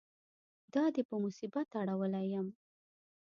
دا دې په مصیبت اړولی یم.